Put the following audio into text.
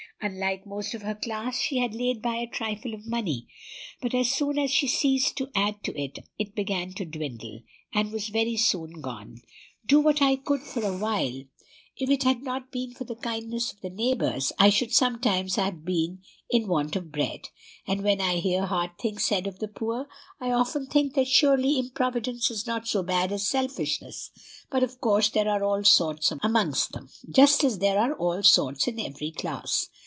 Unlike most of her class, she had laid by a trifle of money; but as soon as she ceased to add to it, it began to dwindle, and was very soon gone. Do what I could for a while, if it had not been for the kindness of the neighbors, I should sometimes have been in want of bread; and when I hear hard things said of the poor, I often think that surely improvidence is not so bad as selfishness. But, of course, there are all sorts amongst them, just as there are all sorts in every class.